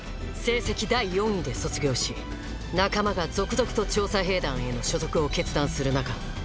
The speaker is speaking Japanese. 成績第４位で卒業し仲間が続々と調査兵団への所属を決断する中